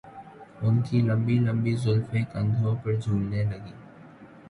ان کی لمبی لمبی زلفیں کندھوں پر جھولنے لگیں